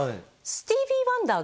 スティーヴィー・ワンダー？